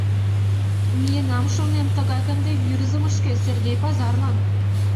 — Миенам, шонем, тыгак ынде Вӱрзымышкӧ, Сергей пазарлан.